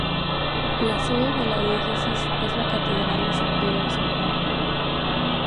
La sede de la Diócesis es la Catedral de San Pedro y San Pablo.